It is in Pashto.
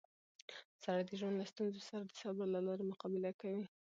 سړی د ژوند له ستونزو سره د صبر له لارې مقابله کوي